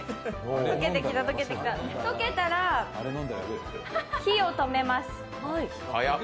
溶けたら、火を止めます。